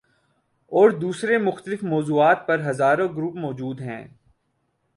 اور دوسرے مختلف موضوعات پر ہزاروں گروپ موجود ہیں۔